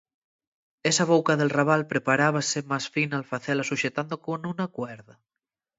Esa bouca del rabal preparábase más fina al facela suxetando con una cuerda.